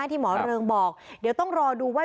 ที่หมอเริงบอกเดี๋ยวต้องรอดูว่า